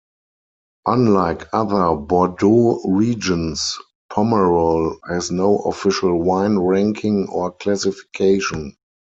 Unlike other Bordeaux regions, Pomerol has no official wine ranking or classification.